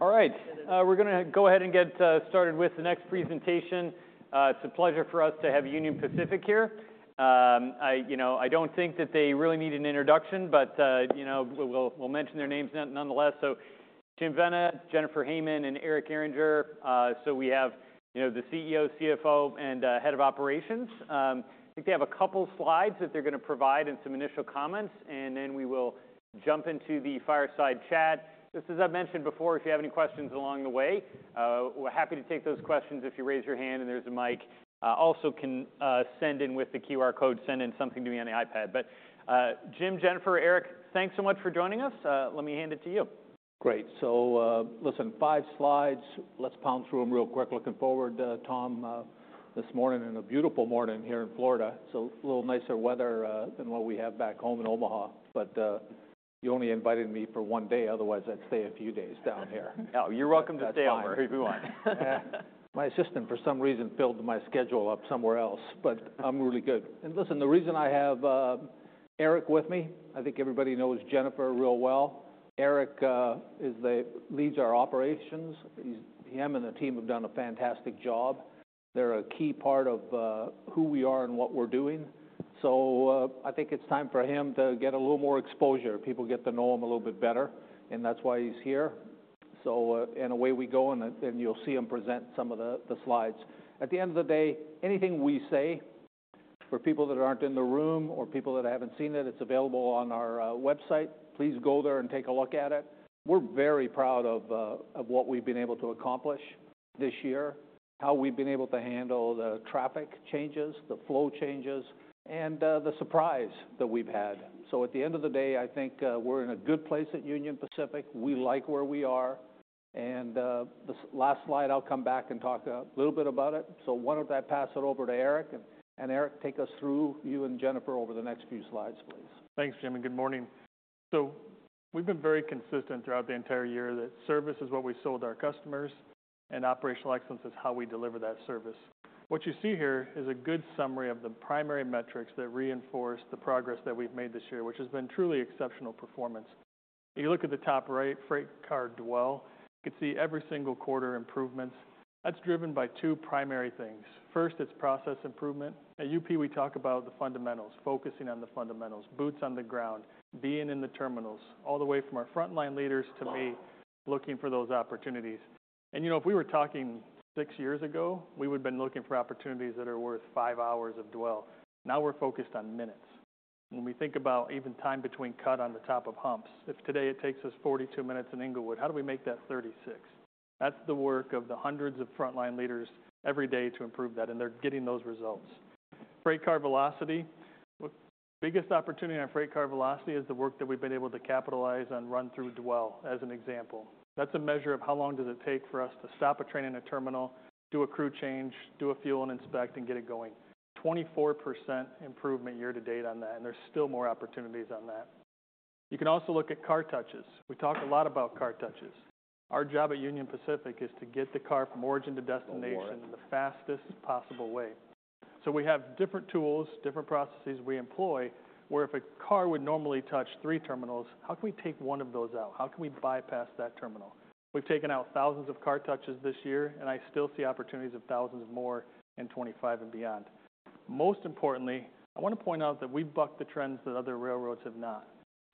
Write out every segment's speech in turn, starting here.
All right. We're gonna go ahead and get started with the next presentation. It's a pleasure for us to have Union Pacific here. I, you know, I don't think that they really need an introduction, but, you know, we'll mention their names nonetheless. So, Jim Vena, Jennifer Hamann, and Eric Gehringer. So we have, you know, the CEO, CFO, and Head of Operations. I think they have a couple slides that they're gonna provide and some initial comments, and then we will jump into the fireside chat. Just as I've mentioned before, if you have any questions along the way, we're happy to take those questions if you raise your hand and there's a mic. Also can send in with the QR code, send in something to me on the iPad. But, Jim, Jennifer, Eric, thanks so much for joining us. Let me hand it to you. Great. So, listen, five slides. Let's pound through them real quick looking forward, Tom, this morning and a beautiful morning here in Florida. It's a little nicer weather than what we have back home in Omaha. But you only invited me for one day. Otherwise, I'd stay a few days down here. No, you're welcome to stay however long you want. My assistant, for some reason, filled my schedule up somewhere else, but I'm really good. Listen, the reason I have Eric with me, I think everybody knows Jennifer real well. Eric leads our operations. He and the team have done a fantastic job. They're a key part of who we are and what we're doing. I think it's time for him to get a little more exposure. People get to know him a little bit better, and that's why he's here. And away we go, and then you'll see him present some of the slides. At the end of the day, anything we say for people that aren't in the room or people that haven't seen it is available on our website. Please go there and take a look at it. We're very proud of what we've been able to accomplish this year, how we've been able to handle the traffic changes, the flow changes, and the surprise that we've had. So at the end of the day, I think we're in a good place at Union Pacific. We like where we are. And this last slide, I'll come back and talk a little bit about it. So why don't I pass it over to Eric, and Eric take us through you and Jennifer over the next few slides, please. Thanks, Jim. And good morning. So we've been very consistent throughout the entire year that service is what we sold our customers, and operational excellence is how we deliver that service. What you see here is a good summary of the primary metrics that reinforce the progress that we've made this year, which has been truly exceptional performance. You look at the top right, Freight Car Dwell, you can see every single quarter improvements. That's driven by two primary things. First, it's process improvement. At UP, we talk about the fundamentals, focusing on the fundamentals, boots on the ground, being in the terminals, all the way from our frontline leaders to me looking for those opportunities. And, you know, if we were talking six years ago, we would've been looking for opportunities that are worth five hours of dwell. Now we're focused on minutes. When we think about even time between cut on the top of humps, if today it takes us 42 minutes in Englewood, how do we make that 36 minutes? That's the work of the hundreds of frontline leaders every day to improve that, and they're getting those results. Freight Car Velocity, the biggest opportunity on Freight Car Velocity is the work that we've been able to capitalize on run-through dwell as an example. That's a measure of how long does it take for us to stop a train in a terminal, do a crew change, do a fuel and inspect, and get it going. 24% improvement year to date on that, and there's still more opportunities on that. You can also look at car touches. We talk a lot about car touches. Our job at Union Pacific is to get the car from origin to destination in the fastest possible way. So we have different tools, different processes we employ where if a car would normally touch three terminals, how can we take one of those out? How can we bypass that terminal? We've taken out thousands of car touches this year, and I still see opportunities of thousands more in 2025 and beyond. Most importantly, I wanna point out that we've bucked the trends that other railroads have not.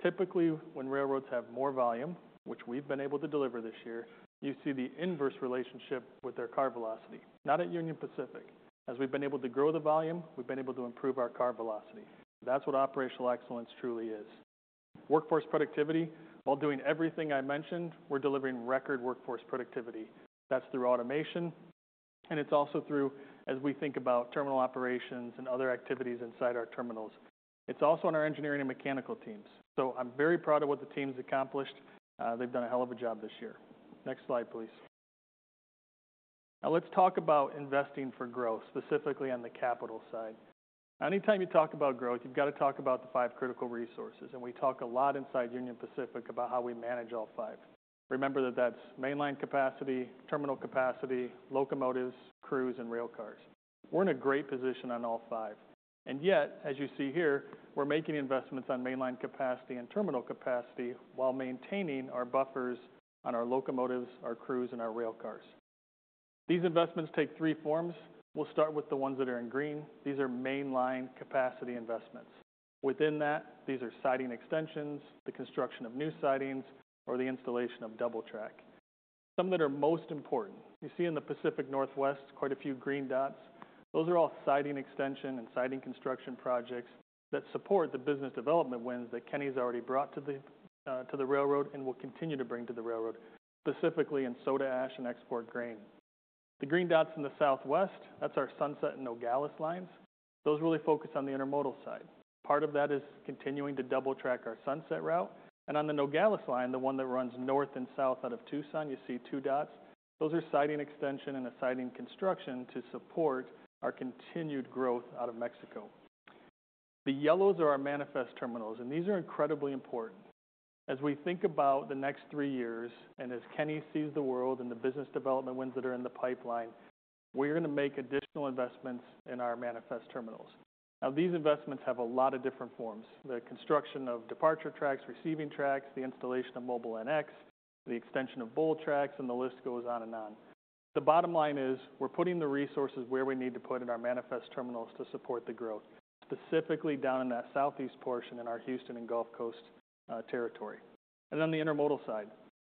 Typically, when railroads have more volume, which we've been able to deliver this year, you see the inverse relationship with their car velocity. Not at Union Pacific. As we've been able to grow the volume, we've been able to improve our car velocity. That's what operational excellence truly is. Workforce productivity, while doing everything I mentioned, we're delivering record workforce productivity. That's through automation, and it's also through as we think about terminal operations and other activities inside our terminals. It's also on our engineering and mechanical teams, so I'm very proud of what the team's accomplished. They've done a hell of a job this year. Next slide, please. Now let's talk about investing for growth, specifically on the capital side. Anytime you talk about growth, you've gotta talk about the five critical resources, and we talk a lot inside Union Pacific about how we manage all five. Remember that that's mainline capacity, terminal capacity, locomotives, crews, and railcars. We're in a great position on all five, and yet, as you see here, we're making investments on mainline capacity and terminal capacity while maintaining our buffers on our locomotives, our crews, and our railcars. These investments take three forms. We'll start with the ones that are in green. These are mainline capacity investments. Within that, these are siding extensions, the construction of new sidings, or the installation of double track. Some that are most important. You see in the Pacific Northwest quite a few green dots. Those are all siding extension and siding construction projects that support the business development wins that Kenny's already brought to the railroad and will continue to bring to the railroad, specifically in soda ash and export grain. The green dots in the Southwest, that's our Sunset and Nogales Lines. Those really focus on the intermodal side. Part of that is continuing to double track our Sunset Route, and on the Nogales Line, the one that runs north and south out of Tucson, you see two dots. Those are siding extension and a siding construction to support our continued growth out of Mexico. The yellows are our manifest terminals, and these are incredibly important. As we think about the next three years and as Kenny sees the world and the business development wins that are in the pipeline, we're gonna make additional investments in our manifest terminals. Now, these investments have a lot of different forms: the construction of departure tracks, receiving tracks, the installation of Mobile NX, the extension of bowl tracks, and the list goes on and on. The bottom line is we're putting the resources where we need to put in our manifest terminals to support the growth, specifically down in that southeast portion in our Houston and Gulf Coast territory. And then the intermodal side.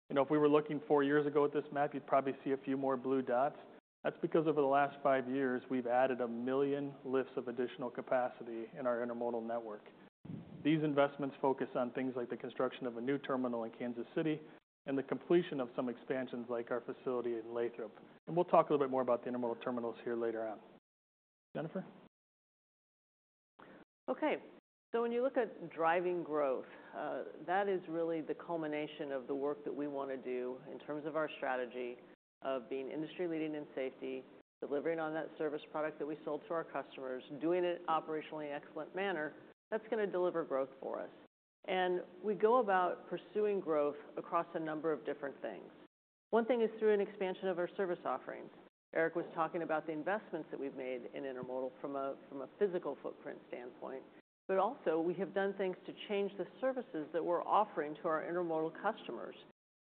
You know, if we were looking four years ago at this map, you'd probably see a few more blue dots. That's because over the last five years, we've added a million lifts of additional capacity in our intermodal network. These investments focus on things like the construction of a new terminal in Kansas City and the completion of some expansions like our facility in Lathrop. And we'll talk a little bit more about the intermodal terminals here later on. Jennifer? Okay. So when you look at driving growth, that is really the culmination of the work that we wanna do in terms of our strategy of being industry leading in safety, delivering on that service product that we sold to our customers, doing it in an operationally excellent manner. That's gonna deliver growth for us. And we go about pursuing growth across a number of different things. One thing is through an expansion of our service offerings. Eric was talking about the investments that we've made in intermodal from a physical footprint standpoint, but also we have done things to change the services that we're offering to our intermodal customers,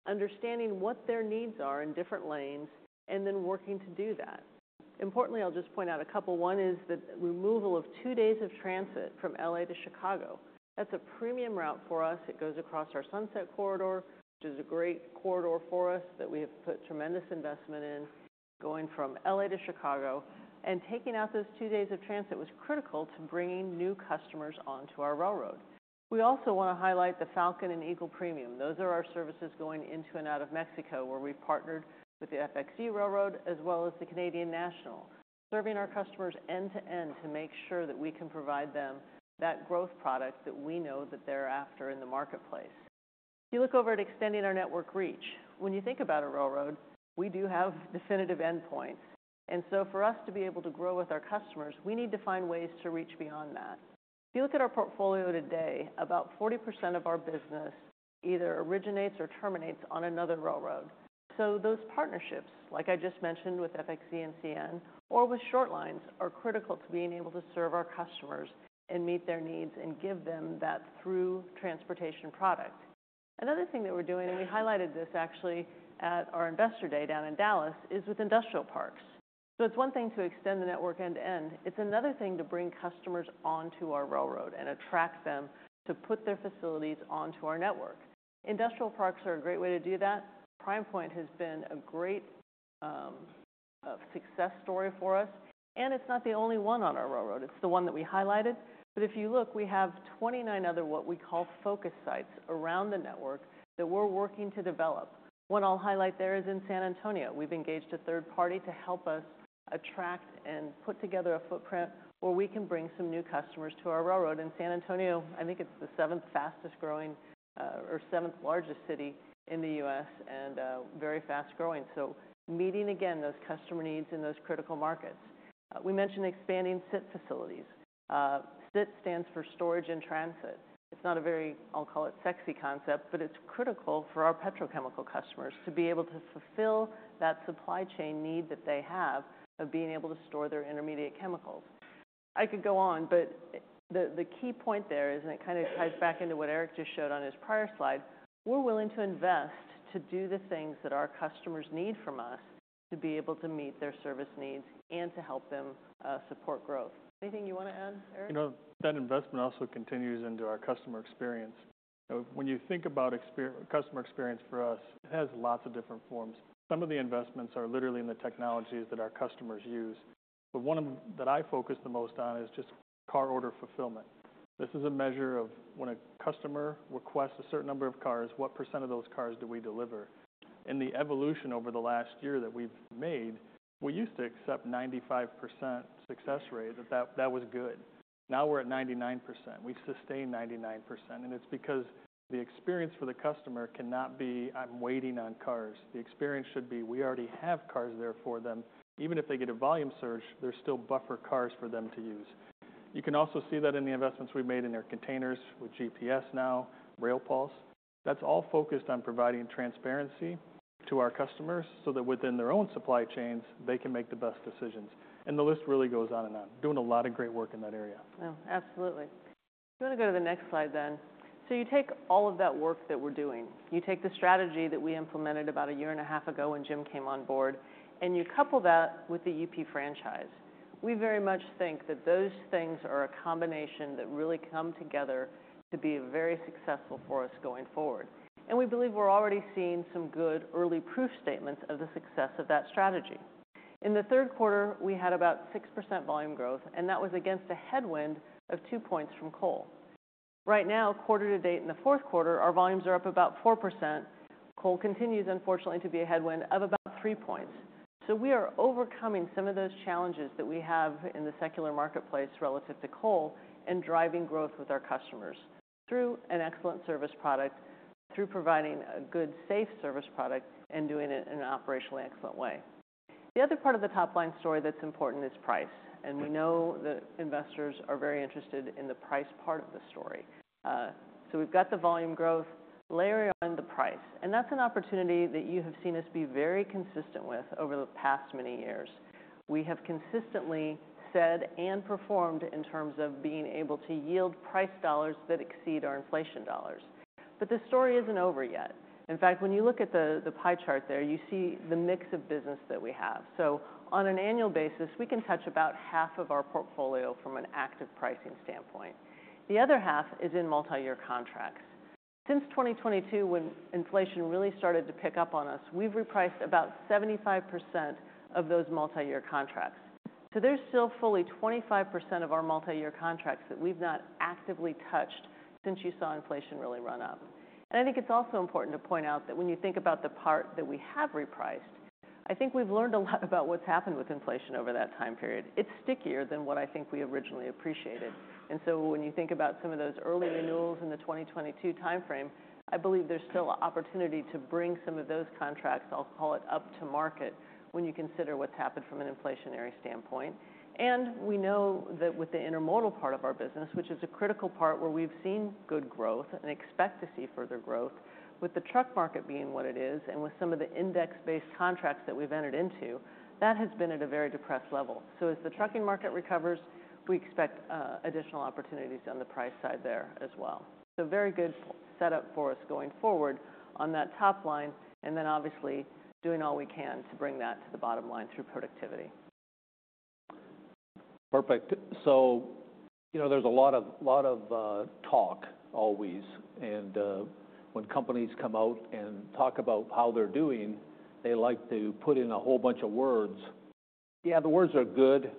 understanding what their needs are in different lanes and then working to do that. Importantly, I'll just point out a couple. One is the removal of two days of transit from LA to Chicago. That's a premium route for us. It goes across our Sunset Corridor, which is a great corridor for us that we have put tremendous investment in going from LA to Chicago, and taking out those two days of transit was critical to bringing new customers onto our railroad. We also wanna highlight the Falcon and Eagle Premium. Those are our services going into and out of Mexico where we've partnered with the FXE Railroad as well as the Canadian National, serving our customers end to end to make sure that we can provide them that growth product that we know that they're after in the marketplace. If you look over at extending our network reach, when you think about a railroad, we do have definitive endpoints, and so for us to be able to grow with our customers, we need to find ways to reach beyond that. If you look at our portfolio today, about 40% of our business either originates or terminates on another railroad. So those partnerships, like I just mentioned with FXE and CN or with short lines, are critical to being able to serve our customers and meet their needs and give them that through transportation product. Another thing that we're doing, and we highlighted this actually at our investor day down in Dallas, is with industrial parks. So it's one thing to extend the network end to end. It's another thing to bring customers onto our railroad and attract them to put their facilities onto our network. Industrial parks are a great way to do that. Prime Pointe has been a great success story for us. And it's not the only one on our railroad. It's the one that we highlighted. But if you look, we have 29 other what we call focus sites around the network that we're working to develop. One I'll highlight there is in San Antonio. We've engaged a third party to help us attract and put together a footprint where we can bring some new customers to our railroad. And San Antonio, I think it's the seventh fastest growing, or seventh largest city in the U.S. and, very fast growing. So meeting again those customer needs in those critical markets, we mentioned expanding SIT facilities. SIT stands for Storage in Transit. It's not a very, I'll call it sexy concept, but it's critical for our petrochemical customers to be able to fulfill that supply chain need that they have of being able to store their intermediate chemicals. I could go on, but the key point there is, and it kind of ties back into what Eric just showed on his prior slide, we're willing to invest to do the things that our customers need from us to be able to meet their service needs and to help them support growth. Anything you wanna add, Eric? You know, that investment also continues into our customer experience. When you think about customer experience for us, it has lots of different forms. Some of the investments are literally in the technologies that our customers use. But one of that I focus the most on is just car order fulfillment. This is a measure of when a customer requests a certain number of cars, what percent of those cars do we deliver. In the evolution over the last year that we've made, we used to accept 95% success rate. That was good. Now we're at 99%. We've sustained 99%. And it's because the experience for the customer cannot be, "I'm waiting on cars." The experience should be, "We already have cars there for them." Even if they get a volume surge, there's still buffer cars for them to use. You can also see that in the investments we've made in their containers with GPS now, RailPulse. That's all focused on providing transparency to our customers so that within their own supply chains, they can make the best decisions. And the list really goes on and on. Doing a lot of great work in that area. Oh, absolutely. If you wanna go to the next slide then. So you take all of that work that we're doing. You take the strategy that we implemented about a year and a half ago when Jim came on board, and you couple that with the UP franchise. We very much think that those things are a combination that really come together to be very successful for us going forward, and we believe we're already seeing some good early proof statements of the success of that strategy. In the third quarter, we had about 6% volume growth, and that was against a headwind of two points from coal. Right now, quarter to date in the fourth quarter, our volumes are up about 4%. Coal continues, unfortunately, to be a headwind of about three points. So we are overcoming some of those challenges that we have in the secular marketplace relative to coal and driving growth with our customers through an excellent service product, through providing a good, safe service product, and doing it in an operationally excellent way. The other part of the top line story that's important is price. And we know that investors are very interested in the price part of the story. So we've got the volume growth layering on the price. And that's an opportunity that you have seen us be very consistent with over the past many years. We have consistently said and performed in terms of being able to yield price dollars that exceed our inflation dollars. But the story isn't over yet. In fact, when you look at the pie chart there, you see the mix of business that we have. So on an annual basis, we can touch about half of our portfolio from an active pricing standpoint. The other half is in multi-year contracts. Since 2022, when inflation really started to pick up on us, we've repriced about 75% of those multi-year contracts. So there's still fully 25% of our multi-year contracts that we've not actively touched since you saw inflation really run up. And I think it's also important to point out that when you think about the part that we have repriced, I think we've learned a lot about what's happened with inflation over that time period. It's stickier than what I think we originally appreciated. When you think about some of those early renewals in the 2022 timeframe, I believe there's still an opportunity to bring some of those contracts, I'll call it up to market, when you consider what's happened from an inflationary standpoint. We know that with the intermodal part of our business, which is a critical part where we've seen good growth and expect to see further growth, with the truck market being what it is and with some of the index-based contracts that we've entered into, that has been at a very depressed level. As the trucking market recovers, we expect additional opportunities on the price side there as well. Very good setup for us going forward on that top line and then obviously doing all we can to bring that to the bottom line through productivity. Perfect. You know, there's a lot of talk always. When companies come out and talk about how they're doing, they like to put in a whole bunch of words. Yeah, the words are good,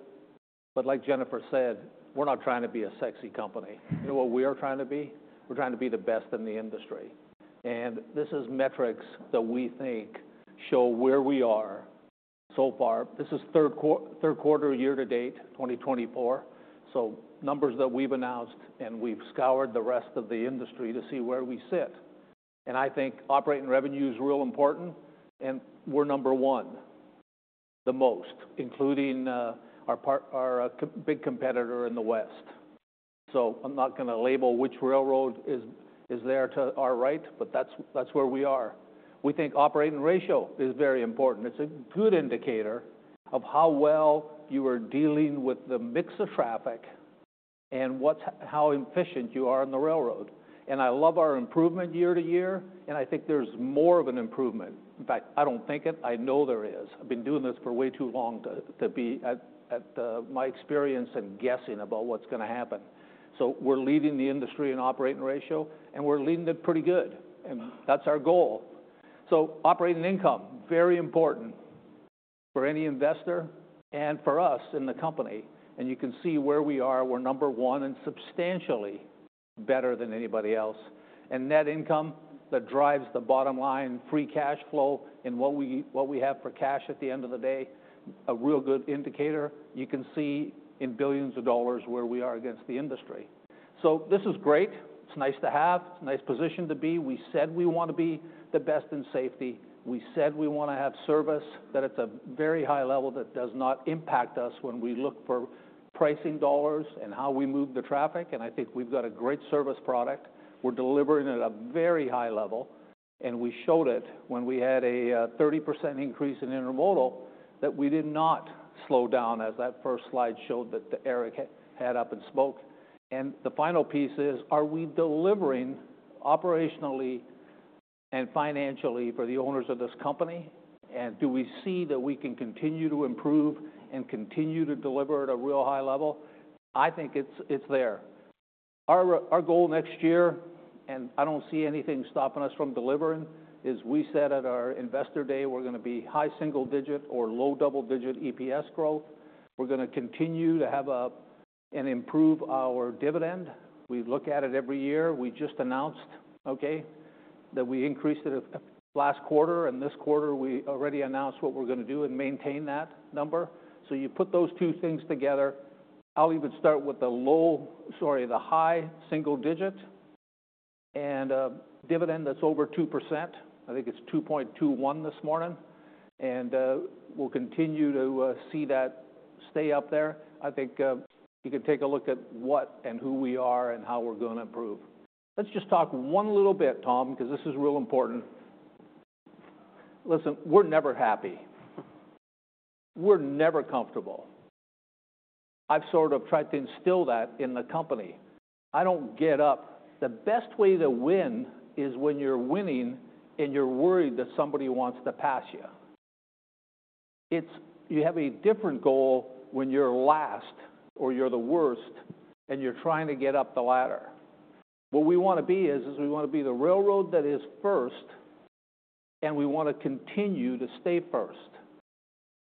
but like Jennifer said, we're not trying to be a sexy company. You know what we are trying to be? We're trying to be the best in the industry. This is metrics that we think show where we are so far. This is third quarter year to date, 2024. So numbers that we've announced and we've scoured the rest of the industry to see where we sit. I think operating revenue is real important, and we're number one, the most, including our partner, our big competitor in the west. So I'm not gonna label which railroad is there to our right, but that's where we are. We think operating ratio is very important. It's a good indicator of how well you are dealing with the mix of traffic and how efficient you are on the railroad. And I love our improvement year to year, and I think there's more of an improvement. In fact, I don't think it. I know there is. I've been doing this for way too long to be guessing about what's gonna happen. So we're leading the industry in operating ratio, and we're leading it pretty good. And that's our goal. So operating income, very important for any investor and for us in the company. And you can see where we are. We're number one and substantially better than anybody else. Net income that drives the bottom line, free cash flow in what we have for cash at the end of the day, a real good indicator. You can see in billions of dollars where we are against the industry. This is great. It's nice to have. It's a nice position to be. We said we wanna be the best in safety. We said we wanna have service that it's a very high level that does not impact us when we look for pricing dollars and how we move the traffic. I think we've got a great service product. We're delivering at a very high level. We showed it when we had a 30% increase in intermodal that we did not slow down, as that first slide showed that Eric had up and spoke. And the final piece is, are we delivering operationally and financially for the owners of this company? And do we see that we can continue to improve and continue to deliver at a real high level? I think it's there. Our goal next year, and I don't see anything stopping us from delivering, is we said at our investor day we're gonna be high single-digit or low double-digit EPS growth. We're gonna continue to have a and improve our dividend. We look at it every year. We just announced, okay, that we increased it last quarter. And this quarter, we already announced what we're gonna do and maintain that number. So you put those two things together. I'll even start with the low, sorry, the high single-digit and dividend that's over 2%. I think it's 2.21% this morning. And we'll continue to see that stay up there. I think you can take a look at what and who we are and how we're gonna improve. Let's just talk one little bit, Tom, 'cause this is real important. Listen, we're never happy. We're never comfortable. I've sort of tried to instill that in the company. I don't get up. The best way to win is when you're winning and you're worried that somebody wants to pass you. It's you have a different goal when you're last or you're the worst and you're trying to get up the ladder. What we wanna be is, is we wanna be the railroad that is first, and we wanna continue to stay first.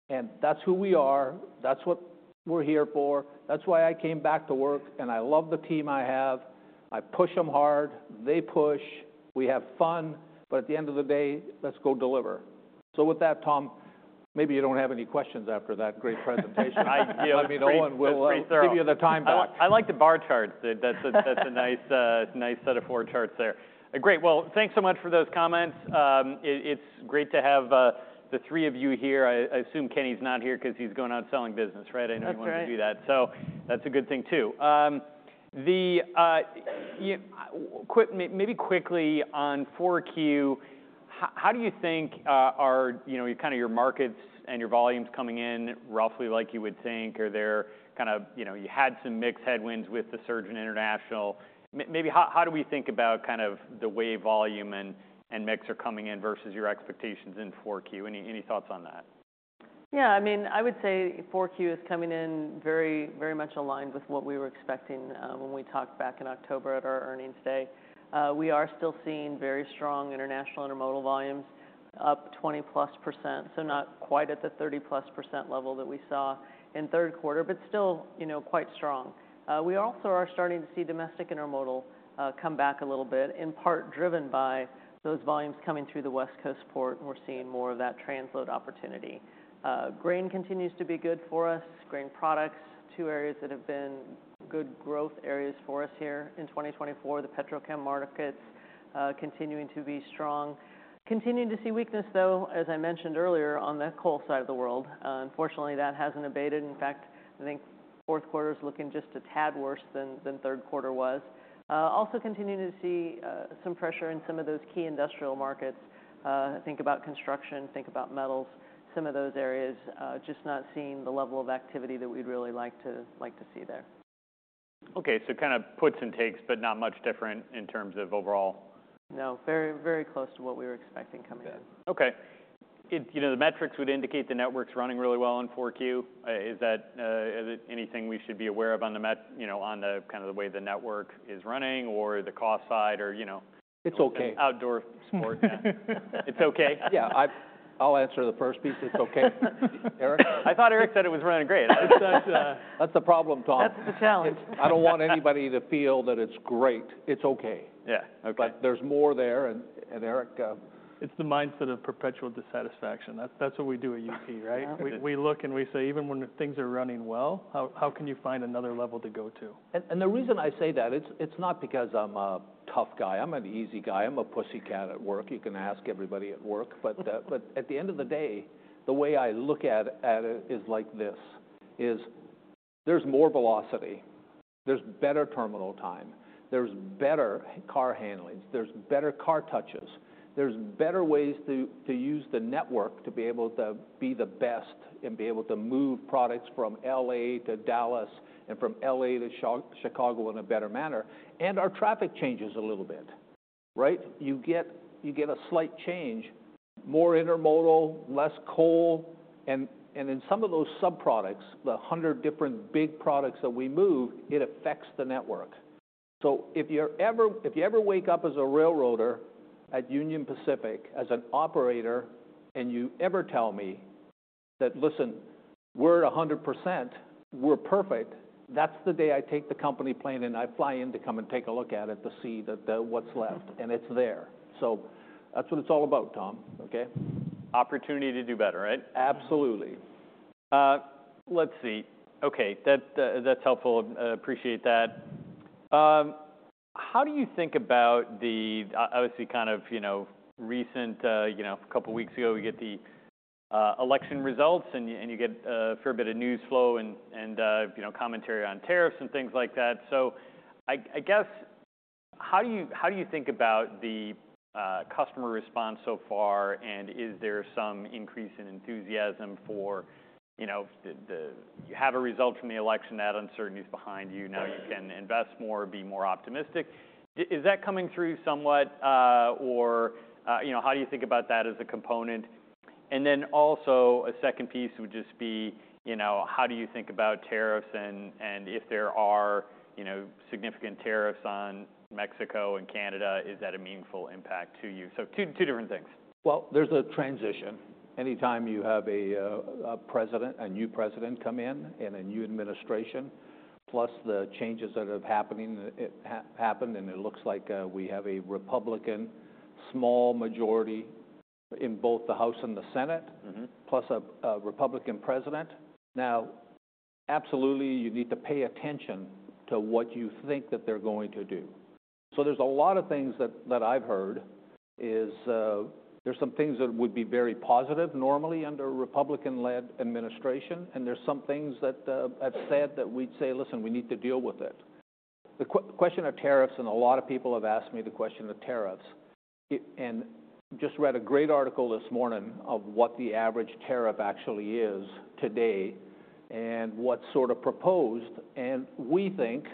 And that's who we are. That's what we're here for. That's why I came back to work, and I love the team I have. I push them hard. They push. We have fun. But at the end of the day, let's go deliver. So with that, Tom, maybe you don't have any questions after that great presentation. I mean, I will give you the time back. I like the bar charts. That's a nice set of four charts there. Great. Thanks so much for those comments. It's great to have the three of you here. I assume Kenny's not here 'cause he's going out selling business, right? I know he wants to do that. That's right. So that's a good thing too. Quickly on 4Q, how do you think are, you know, your kind of markets and your volumes coming in roughly like you would think? Are there kind of, you know, you had some mixed headwinds with the surge in international? Maybe, how do we think about kind of the way volume and mix are coming in versus your expectations in 4Q? Any thoughts on that? Yeah. I mean, I would say 4Q is coming in very, very much aligned with what we were expecting, when we talked back in October at our earnings day. We are still seeing very strong international intermodal volumes, up 20+%. So not quite at the 30+% level that we saw in third quarter, but still, you know, quite strong. We also are starting to see domestic intermodal come back a little bit, in part driven by those volumes coming through the West Coast port. We're seeing more of that transload opportunity. Grain continues to be good for us. Grain products, two areas that have been good growth areas for us here in 2024. The petrochem markets, continuing to be strong. Continuing to see weakness, though, as I mentioned earlier, on the coal side of the world. Unfortunately, that hasn't abated. In fact, I think fourth quarter's looking just a tad worse than third quarter was. Also continuing to see some pressure in some of those key industrial markets. Think about construction, think about metals, some of those areas, just not seeing the level of activity that we'd really like to see there. Okay. So kind of puts and takes, but not much different in terms of overall. No. Very, very close to what we were expecting coming in. Good. Okay. It, you know, the metrics would indicate the network's running really well in 4Q. Is that, is it anything we should be aware of on the metrics, you know, on the kind of the way the network is running or the cost side or, you know? It's okay. Outdoor sports. It's okay? Yeah. I'll answer the first piece. It's okay. Eric? I thought Eric said it was running great. That's the problem, Tom. That's the challenge. I don't want anybody to feel that it's great. It's okay. Yeah. Okay. But there's more there. And Eric, It's the mindset of perpetual dissatisfaction. That's what we do at UP, right? We look and we say, "Even when things are running well, how can you find another level to go to? The reason I say that, it's not because I'm a tough guy. I'm an easy guy. I'm a pussycat at work. You can ask everybody at work. But at the end of the day, the way I look at it is like this. There's more velocity. There's better terminal time. There's better car handlings. There's better car touches. There's better ways to use the network to be able to be the best and be able to move products from LA to Dallas and from LA to Chicago in a better manner. And our traffic changes a little bit, right? You get a slight change, more intermodal, less coal. And in some of those subproducts, the 100 different big products that we move, it affects the network. So if you're ever, if you ever wake up as a railroader at Union Pacific as an operator and you ever tell me that, "Listen, we're at 100%. We're perfect," that's the day I take the company plane and I fly in to come and take a look at it to see what's left. And it's there. So that's what it's all about, Tom. Okay? Opportunity to do better, right? Absolutely. Let's see. Okay. That, that's helpful. Appreciate that. How do you think about the, obviously kind of, you know, recent, you know, a couple weeks ago, we get the, election results and, and you get, a fair bit of news flow and, and, you know, commentary on tariffs and things like that. So I, I guess, how do you, how do you think about the, customer response so far? And is there some increase in enthusiasm for, you know, the, the you have a result from the election, that uncertainty's behind you. Now you can invest more, be more optimistic. Is, is that coming through somewhat, or, you know, how do you think about that as a component? Then also a second piece would just be, you know, how do you think about tariffs and if there are, you know, significant tariffs on Mexico and Canada, is that a meaningful impact to you? So two different things. There's a transition. Anytime you have a new president come in and a new administration, plus the changes that have happened, it happened, and it looks like we have a Republican small majority in both the House and the Senate. Plus a Republican president. Now, absolutely, you need to pay attention to what you think that they're going to do. There's a lot of things that I've heard is; there's some things that would be very positive normally under a Republican-led administration, and there's some things that I've said that we'd say, "Listen, we need to deal with it." The question of tariffs, and a lot of people have asked me the question of tariffs. I just read a great article this morning of what the average tariff actually is today and what's sort of proposed. We think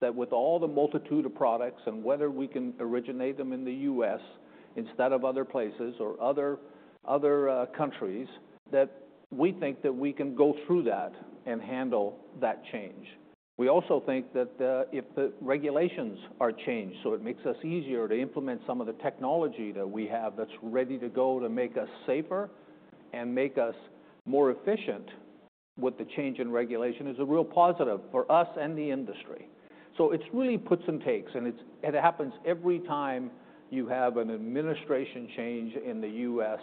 that with all the multitude of products and whether we can originate them in the U.S. instead of other places or other countries, that we think that we can go through that and handle that change. We also think that, if the regulations are changed, so it makes us easier to implement some of the technology that we have that's ready to go to make us safer and make us more efficient with the change in regulation is a real positive for us and the industry. So it's really puts and takes, and it happens every time you have an administration change in the U.S.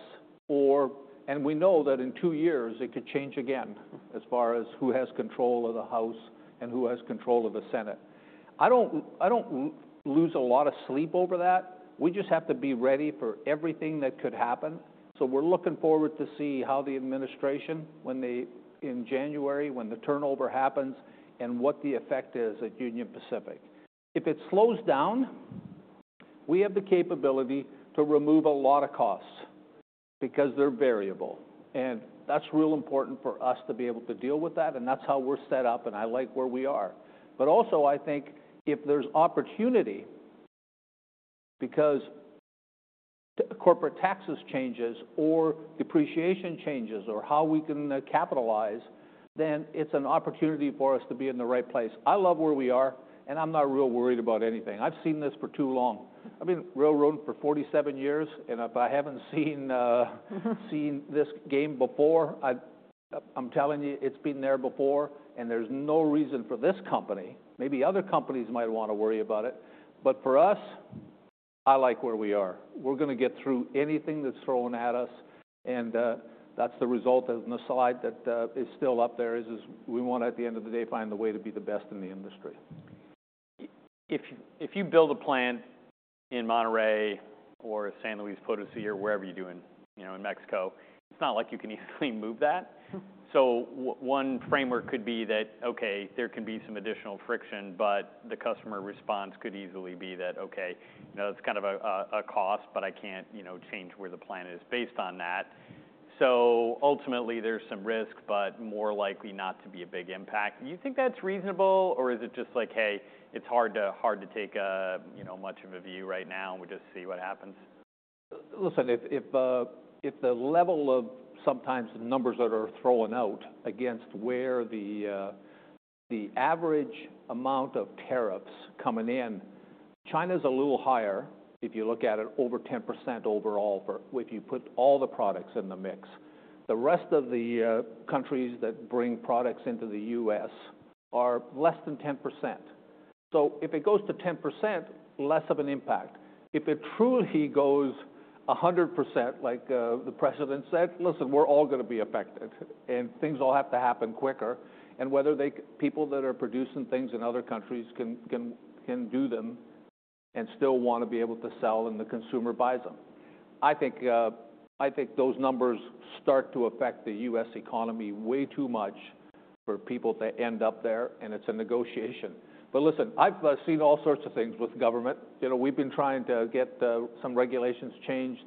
or, and we know that in two years it could change again as far as who has control of the House and who has control of the Senate. I don't lose a lot of sleep over that. We just have to be ready for everything that could happen. So we're looking forward to see how the administration, when they, in January, when the turnover happens and what the effect is at Union Pacific. If it slows down, we have the capability to remove a lot of costs because they're variable. And that's real important for us to be able to deal with that. And that's how we're set up, and I like where we are. But also, I think if there's opportunity because corporate taxes changes or depreciation changes or how we can capitalize, then it's an opportunity for us to be in the right place. I love where we are, and I'm not real worried about anything. I've seen this for too long. I've been railroading for 47 years, and if I haven't seen this game before, I'm telling you, it's been there before, and there's no reason for this company. Maybe other companies might wanna worry about it. But for us, I like where we are. We're gonna get through anything that's thrown at us. That's the result of the slide that is still up there. We want, at the end of the day, find a way to be the best in the industry. If you, if you build a plant in Monterrey or San Luis Potosí or wherever you do in, you know, in Mexico, it's not like you can easily move that. So one framework could be that, okay, there can be some additional friction, but the customer response could easily be that, okay, you know, that's kind of a cost, but I can't, you know, change where the plant is based on that. So ultimately, there's some risk, but more likely not to be a big impact. Do you think that's reasonable, or is it just like, hey, it's hard to take a, you know, much of a view right now and we just see what happens? Listen, if the level of sometimes the numbers that are thrown out against where the average amount of tariffs coming in, China's a little higher if you look at it, over 10% overall if you put all the products in the mix. The rest of the countries that bring products into the U.S. are less than 10%. So if it goes to 10%, less of an impact. If it truly goes 100%, like the president said, "Listen, we're all gonna be affected," and things all have to happen quicker, and whether the people that are producing things in other countries can do them and still wanna be able to sell and the consumer buys them. I think those numbers start to affect the U.S. economy way too much for people to end up there, and it's a negotiation. But listen, I've seen all sorts of things with government. You know, we've been trying to get some regulations changed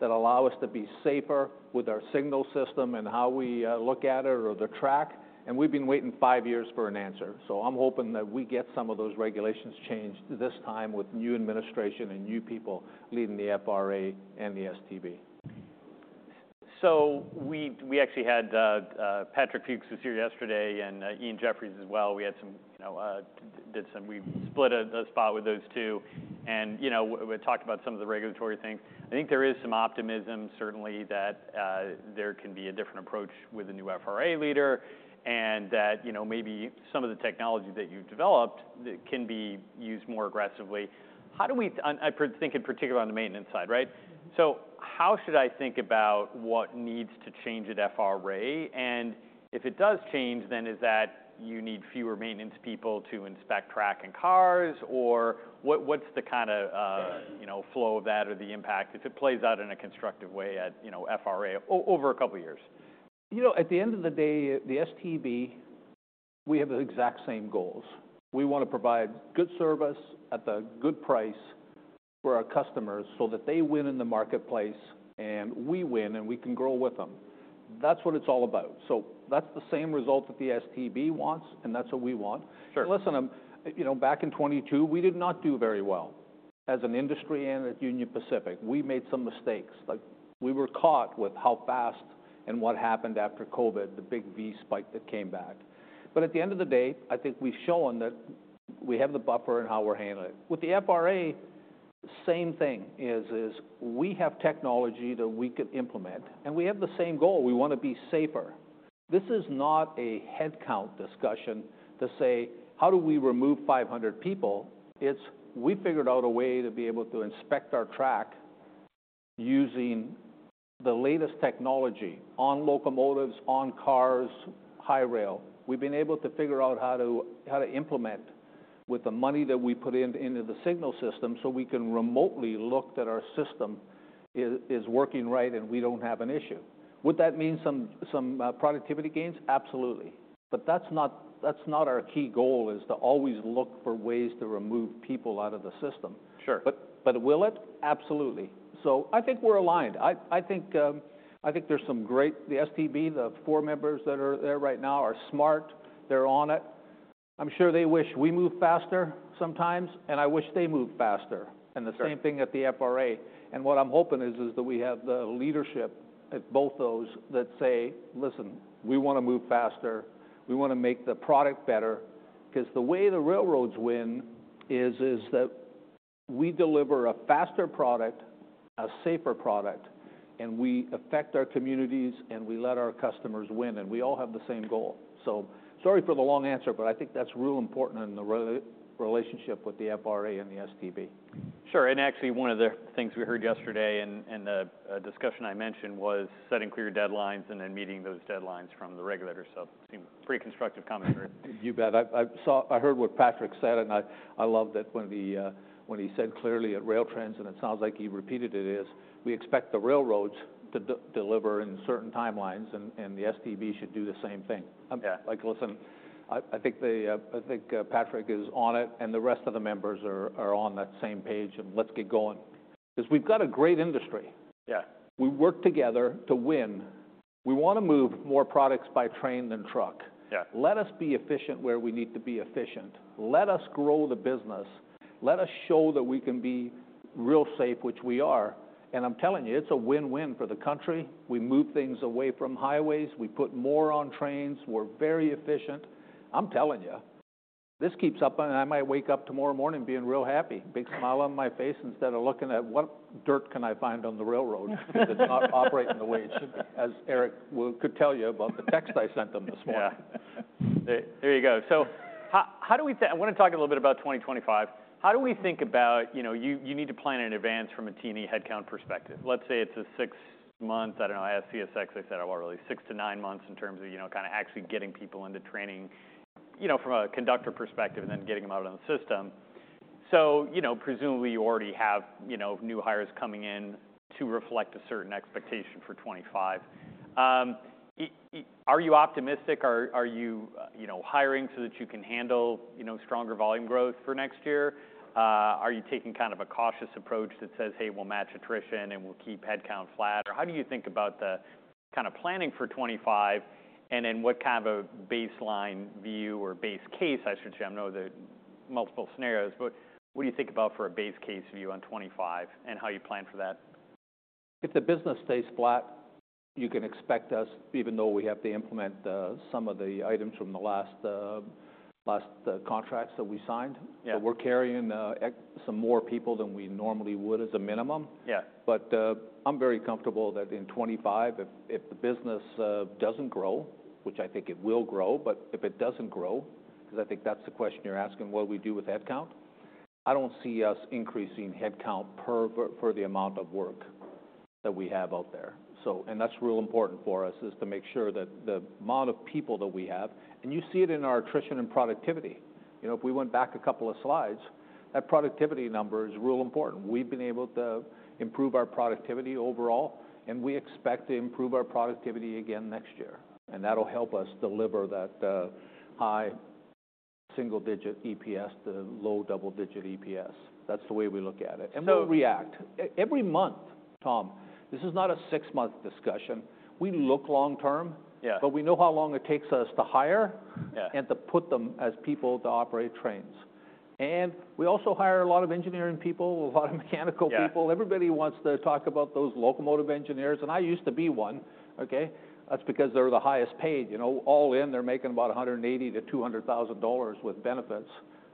that allow us to be safer with our signal system and how we look at it or the track. And we've been waiting five years for an answer. So I'm hoping that we get some of those regulations changed this time with new administration and new people leading the FRA and the STB. So we actually had Patrick Fuchs here yesterday and Ian Jefferies as well. We had some, you know, we split a spot with those two. And, you know, we talked about some of the regulatory things. I think there is some optimism, certainly, that there can be a different approach with the new FRA leader and that, you know, maybe some of the technology that you have developed that can be used more aggressively. I think in particular on the maintenance side, right? So how should I think about what needs to change at FRA? And if it does change, then is that you need fewer maintenance people to inspect track and cars, or what, what's the kind of, you know, flow of that or the impact if it plays out in a constructive way at, you know, FRA over a couple years? You know, at the end of the day, the STB, we have the exact same goals. We wanna provide good service at the good price for our customers so that they win in the marketplace and we win and we can grow with them. That's what it's all about, so that's the same result that the STB wants, and that's what we want. Sure. Listen, you know, back in 2022, we did not do very well as an industry and at Union Pacific. We made some mistakes. Like, we were caught with how fast and what happened after COVID, the big V spike that came back. But at the end of the day, I think we've shown that we have the buffer and how we're handling it. With the FRA, same thing is we have technology that we could implement, and we have the same goal. We wanna be safer. This is not a headcount discussion to say, "How do we remove 500 people?" It's, "We figured out a way to be able to inspect our track using the latest technology on locomotives, on cars, hi-rail." We've been able to figure out how to implement with the money that we put in into the signal system so we can remotely look that our system is working right and we don't have an issue. Would that mean some productivity gains? Absolutely. But that's not our key goal is to always look for ways to remove people out of the system. Sure. But will it? Absolutely. So I think we're aligned. I think there's some great the STB, the four members that are there right now are smart. They're on it. I'm sure they wish we moved faster sometimes, and I wish they moved faster. Sure. And the same thing at the FRA. And what I'm hoping is that we have the leadership at both those that say, "Listen, we wanna move faster. We wanna make the product better." 'Cause the way the railroads win is that we deliver a faster product, a safer product, and we affect our communities and we let our customers win. And we all have the same goal. So sorry for the long answer, but I think that's real important in the relationship with the FRA and the STB. Sure. Actually, one of the things we heard yesterday in the discussion I mentioned was setting clear deadlines and then meeting those deadlines from the regulator. So it seemed pretty constructive commentary. You bet. I saw, I heard what Patrick said, and I loved that when he said clearly at RailTrends, and it sounds like he repeated it: "We expect the railroads to deliver in certain timelines, and the STB should do the same thing. Yeah. I'm like, "Listen, I think Patrick is on it, and the rest of the members are on that same page, and let's get going." 'Cause we've got a great industry. Yeah. We work together to win. We wanna move more products by train than truck. Yeah. Let us be efficient where we need to be efficient. Let us grow the business. Let us show that we can be real safe, which we are. And I'm telling you, it's a win-win for the country. We move things away from highways. We put more on trains. We're very efficient. I'm telling you, this keeps up, and I might wake up tomorrow morning being real happy, big smile on my face instead of looking at, "What dirt can I find on the railroad?" Yeah. 'Cause it's not operating the way it should be, as Eric Gehringer could tell you about the text I sent him this morning. Yeah. There you go. So how do we think about 2025? How do we think about, you know, you need to plan in advance from a T&E headcount perspective? Let's say it's a six-month, I don't know, I said a while ago, six to nine months in terms of, you know, kinda actually getting people into training, you know, from a conductor perspective and then getting them out on the system. So, you know, presumably, you already have, you know, new hires coming in to reflect a certain expectation for 2025. Are you optimistic? Are you, you know, hiring so that you can handle, you know, stronger volume growth for next year? Are you taking kind of a cautious approach that says, "Hey, we'll match attrition and we'll keep headcount flat"? Or how do you think about the kinda planning for 2025? And then what kind of a baseline view or base case? I should say I know the multiple scenarios, but what do you think about for a base case view on 2025 and how you plan for that? If the business stays flat, you can expect us even though we have to implement some of the items from the last contracts that we signed. Yeah. So we're carrying some more people than we normally would as a minimum. Yeah. I'm very comfortable that in 2025, if the business doesn't grow, which I think it will grow, but if it doesn't grow, 'cause I think that's the question you're asking, what do we do with headcount? I don't see us increasing headcount per volume for the amount of work that we have out there. So and that's real important for us is to make sure that the amount of people that we have, and you see it in our attrition and productivity. You know, if we went back a couple of slides, that productivity number is real important. We've been able to improve our productivity overall, and we expect to improve our productivity again next year. And that'll help us deliver that high single-digit EPS to low double-digit EPS. That's the way we look at it. We'll react. Every month, Tom, this is not a six-month discussion. We look long-term. Yeah. But we know how long it takes us to hire. Yeah. And to put them as people to operate trains. And we also hire a lot of engineering people, a lot of mechanical people. Yeah. Everybody wants to talk about those locomotive engineers, and I used to be one, okay? That's because they're the highest paid. You know, all in, they're making about $180,000-$200,000 with benefits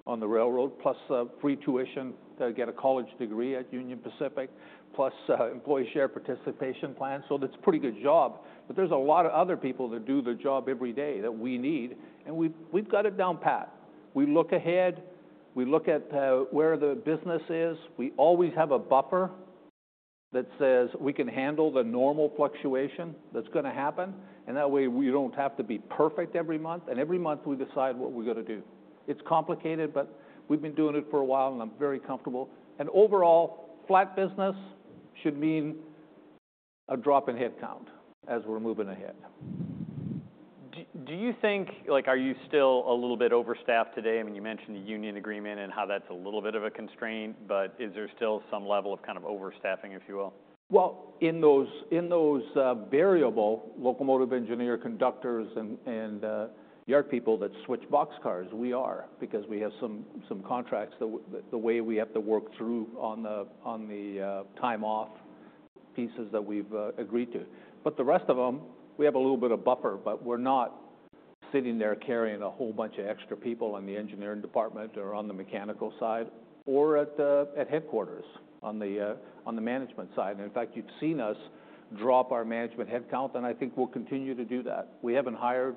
on the railroad, plus free tuition to get a college degree at Union Pacific, plus employee share participation plan, so that's a pretty good job, but there's a lot of other people that do their job every day that we need, and we've got it down pat. We look ahead. We look at where the business is. We always have a buffer that says we can handle the normal fluctuation that's gonna happen, and that way, we don't have to be perfect every month, and every month we decide what we're gonna do. It's complicated, but we've been doing it for a while, and I'm very comfortable. Overall, flat business should mean a drop in headcount as we're moving ahead. Do you think, like, are you still a little bit overstaffed today? I mean, you mentioned the union agreement and how that's a little bit of a constraint, but is there still some level of kind of overstaffing, if you will? Well, in those variable locomotive engineer conductors and yard people that switch boxcars, we are because we have some contracts that with the way we have to work through on the time-off pieces that we've agreed to. But the rest of them, we have a little bit of buffer, but we're not sitting there carrying a whole bunch of extra people on the engineering department or on the mechanical side or at headquarters on the management side. And in fact, you've seen us drop our management headcount, and I think we'll continue to do that. We haven't hired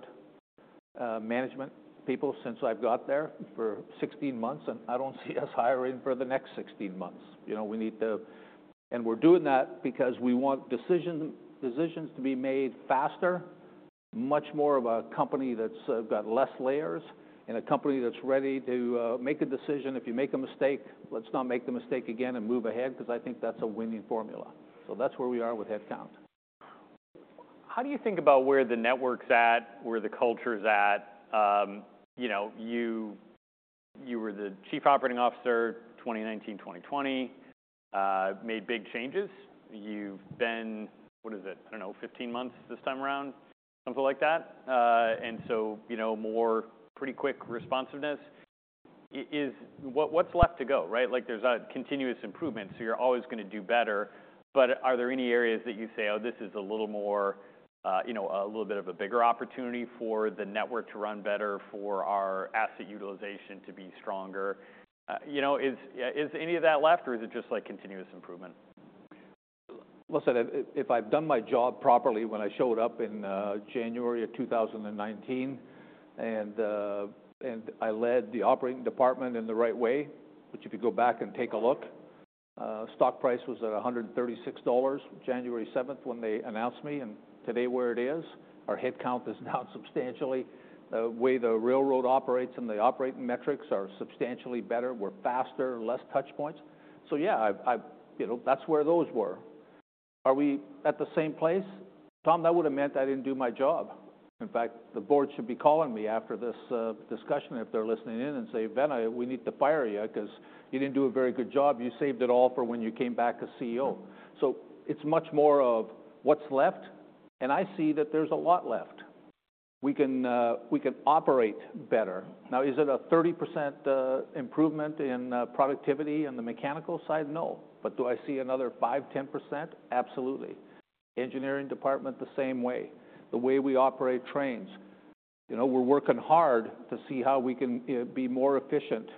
management people since I've got there for 16 months, and I don't see us hiring for the next 16 months. You know, we need to, and we're doing that because we want decisions to be made faster, much more of a company that's got less layers and a company that's ready to make a decision. If you make a mistake, let's not make the mistake again and move ahead 'cause I think that's a winning formula, so that's where we are with headcount. How do you think about where the network's at, where the culture's at? You know, you, you were the Chief Operating Officer 2019, 2020, made big changes. You've been, what is it? I don't know, 15 months this time around, something like that, and so, you know, more pretty quick responsiveness. Is what, what's left to go, right? Like, there's a continuous improvement, so you're always gonna do better. But are there any areas that you say, "Oh, this is a little more, you know, a little bit of a bigger opportunity for the network to run better, for our asset utilization to be stronger"? You know, is, is any of that left, or is it just like continuous improvement? Listen, if I've done my job properly when I showed up in January of 2019 and I led the operating department in the right way, which if you go back and take a look, stock price was at $136 January 7th when they announced me, and today where it is, our headcount is down substantially. The way the railroad operates and the operating metrics are substantially better. We're faster, less touchpoints. So yeah, I've, you know, that's where those were. Are we at the same place? Tom, that would've meant I didn't do my job. In fact, the board should be calling me after this discussion if they're listening in and say, "Vena, we need to fire you 'cause you didn't do a very good job. You saved it all for when you came back as CEO." So it's much more of what's left, and I see that there's a lot left. We can, we can operate better. Now, is it a 30% improvement in productivity on the mechanical side? No. But do I see another 5%-10%? Absolutely. Engineering department the same way. The way we operate trains, you know, we're working hard to see how we can be more efficient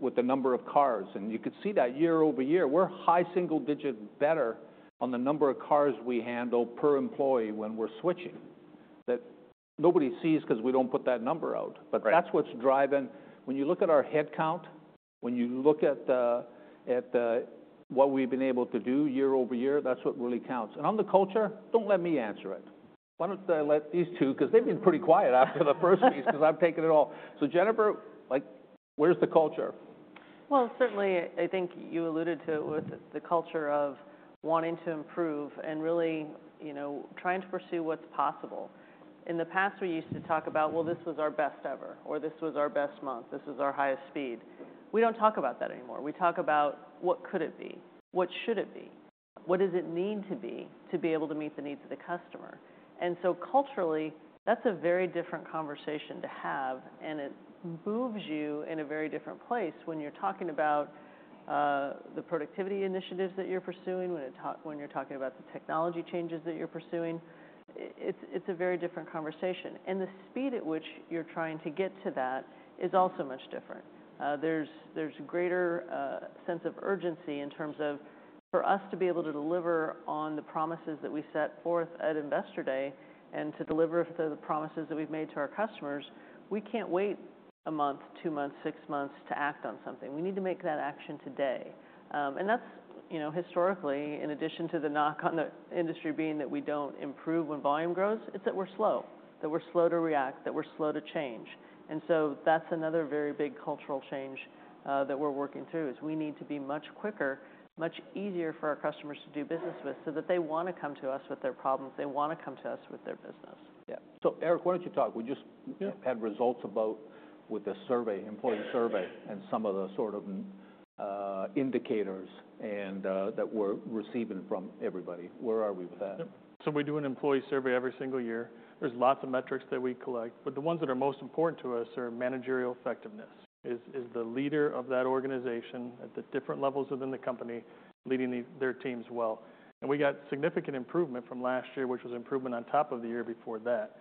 with the number of cars. And you could see that year over year. We're high single-digit better on the number of cars we handle per employee when we're switching that nobody sees 'cause we don't put that number out. Right. But that's what's driving. When you look at our headcount, when you look at what we've been able to do year over year, that's what really counts. And on the culture, don't let me answer it. Why don't I let these two 'cause they've been pretty quiet after the first piece 'cause I've taken it all. So Jennifer, like, where's the culture? Certainly, I think you alluded to it with the culture of wanting to improve and really, you know, trying to pursue what's possible. In the past, we used to talk about, "Well, this was our best ever," or, "This was our best month. This was our highest speed." We don't talk about that anymore. We talk about what could it be, what should it be, what does it need to be to be able to meet the needs of the customer. And so culturally, that's a very different conversation to have, and it moves you in a very different place when you're talking about the productivity initiatives that you're pursuing, when you're talking about the technology changes that you're pursuing. It's a very different conversation. And the speed at which you're trying to get to that is also much different. There's greater sense of urgency in terms of for us to be able to deliver on the promises that we set forth at Investor Day and to deliver to the promises that we've made to our customers. We can't wait a month, two months, six months to act on something. We need to make that action today. And that's, you know, historically, in addition to the knock on the industry being that we don't improve when volume grows, it's that we're slow, that we're slow to react, that we're slow to change. And so that's another very big cultural change, that we're working through is we need to be much quicker, much easier for our customers to do business with so that they wanna come to us with their problems. They wanna come to us with their business. Yeah. So, Eric, why don't you talk? We just. Yeah. Had results about with the survey, employee survey, and some of the sort of indicators and that we're receiving from everybody. Where are we with that? Yep. So we do an employee survey every single year. There's lots of metrics that we collect, but the ones that are most important to us are managerial effectiveness. Is the leader of that organization at the different levels within the company leading their teams well? And we got significant improvement from last year, which was improvement on top of the year before that.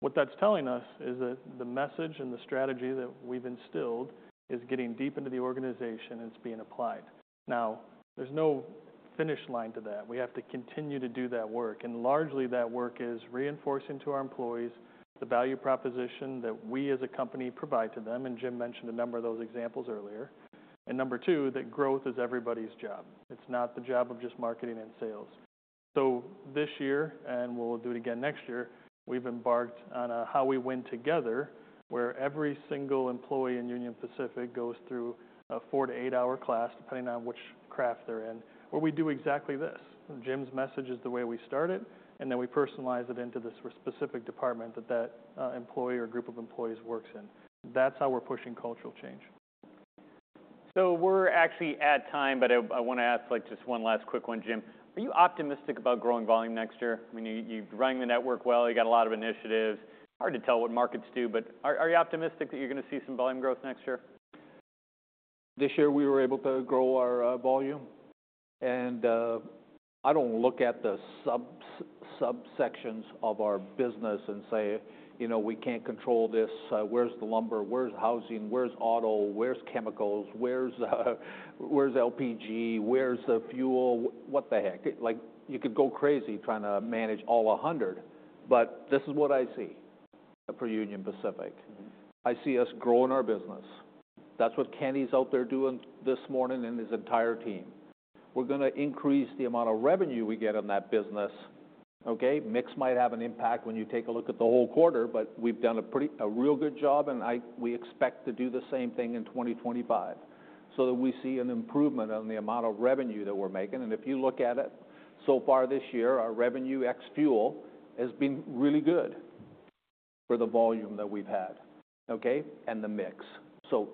What that's telling us is that the message and the strategy that we've instilled is getting deep into the organization, and it's being applied. Now, there's no finish line to that. We have to continue to do that work. And largely, that work is reinforcing to our employees the value proposition that we as a company provide to them. And Jim mentioned a number of those examples earlier. And number two, that growth is everybody's job. It's not the job of just marketing and sales. So this year, and we'll do it again next year, we've embarked on a How We Win Together where every single employee in Union Pacific goes through a four- to eight-hour class, depending on which craft they're in, where we do exactly this. Jim's message is the way we start it, and then we personalize it into this specific department that employee or group of employees works in. That's how we're pushing cultural change. So we're actually at time, but I wanna ask, like, just one last quick one, Jim. Are you optimistic about growing volume next year? I mean, you've run the network well. You got a lot of initiatives. Hard to tell what markets do, but are you optimistic that you're gonna see some volume growth next year? This year, we were able to grow our volume. I don't look at the subsections of our business and say, you know, we can't control this. Where's the lumber? Where's housing? Where's auto? Where's chemicals? Where's LPG? Where's the fuel? What the heck? Like, you could go crazy trying to manage all 100, but this is what I see for Union Pacific. I see us growing our business. That's what Kenny's out there doing this morning and his entire team. We're gonna increase the amount of revenue we get in that business, okay? Mix might have an impact when you take a look at the whole quarter, but we've done a pretty real good job, and we expect to do the same thing in 2025 so that we see an improvement on the amount of revenue that we're making. If you look at it, so far this year, our revenue ex-fuel has been really good for the volume that we've had, okay, and the mix.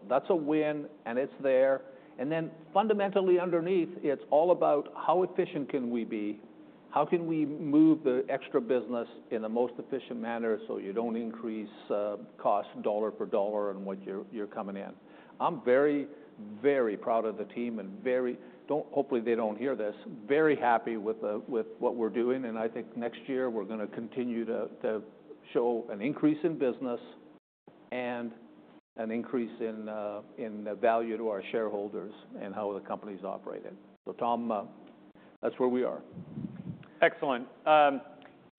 That's a win, and it's there. Then fundamentally underneath, it's all about how efficient can we be? How can we move the extra business in the most efficient manner so you don't increase cost dollar for dollar on what you're coming in? I'm very, very proud of the team and very (hopefully they don't hear this) very happy with what we're doing. And I think next year, we're gonna continue to show an increase in business and an increase in the value to our shareholders and how the company's operating. So Tom, that's where we are. Excellent.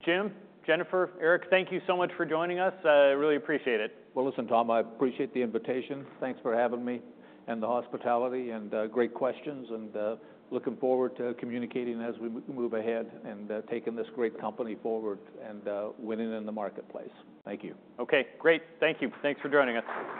Jim, Jennifer, Eric, thank you so much for joining us. Really appreciate it. Listen, Tom, I appreciate the invitation. Thanks for having me and the hospitality and great questions, and looking forward to communicating as we move ahead and taking this great company forward and winning in the marketplace. Thank you. Okay. Great. Thank you. Thanks for joining us.